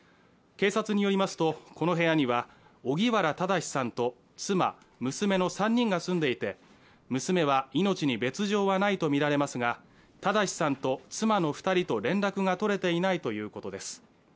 警察によりますと、この部屋には荻原正さんと妻、娘の３人が住んでいて娘は命に別状はないとみられますが、正さんと妻の２人と連絡が取れていないということです。